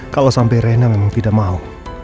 kalau sampai rena memang tidak mau